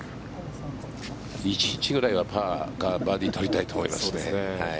１日ぐらいはパー、バーディーを取りたいと思いますね。